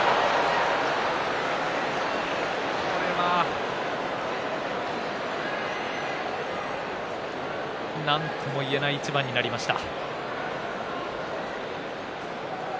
これはなんとも言えない一番になりました。